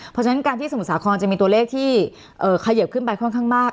เพราะฉะนั้นการที่สมุทรสาครจะมีตัวเลขที่เขยิบขึ้นไปค่อนข้างมาก